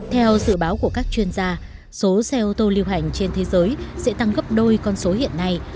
theo dự báo của các chuyên gia số xe ô tô lưu hành trên thế giới sẽ tăng gấp đôi con số hiện nay